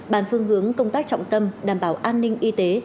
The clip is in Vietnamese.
bàn phương hướng công tác trọng tâm đảm bảo an ninh y tế